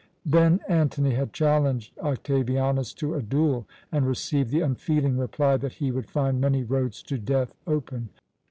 Then Antony had challenged Octavianus to a duel, and received the unfeeling reply that he would find many roads to death open.